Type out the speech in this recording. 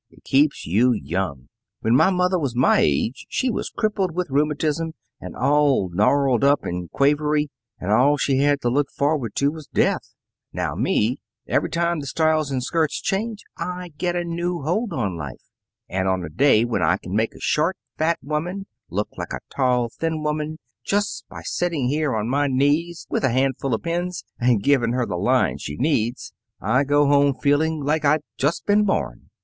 It keeps you young. When my mother was my age, she was crippled with rheumatism, and all gnarled up, and quavery, and all she had to look forward to was death. Now me every time the styles in skirts change I get a new hold on life. And on a day when I can make a short, fat woman look like a tall, thin woman, just by sitting here on my knees with a handful of pins, and giving her the line she needs, I go home feeling like I'd just been born."